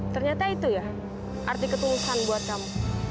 ternyata itu ya arti ketulusan buat kamu